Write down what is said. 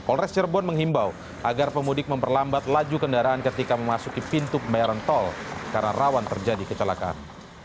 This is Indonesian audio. polres cirebon menghimbau agar pemudik memperlambat laju kendaraan ketika memasuki pintu pembayaran tol karena rawan terjadi kecelakaan